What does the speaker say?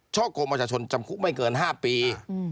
ช่องโครงประชาชนจำคุกไม่เกิน๕ปี